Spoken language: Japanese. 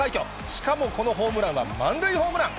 しかもこのホームランは満塁ホームラン。